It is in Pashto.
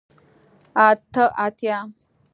اته اتیا